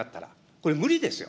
これ、無理ですよ。